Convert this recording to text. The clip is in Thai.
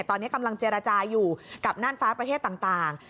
ตอนนี้กำลังเจรจาอยู่กับน่านฟ้าประเทศต่าง